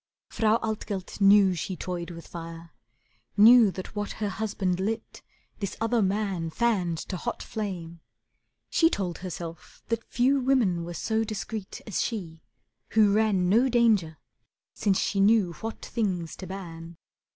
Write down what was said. Frau Altgelt knew she toyed with fire, knew That what her husband lit this other man Fanned to hot flame. She told herself that few Women were so discreet as she, who ran No danger since she knew what things to ban.